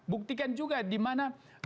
buktikan juga dimana